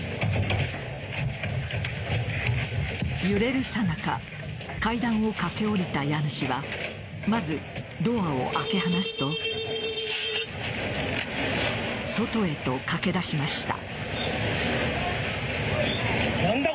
揺れるさなか階段を駆け下りた家主はまずドアを開け放すと外へと駆け出しました。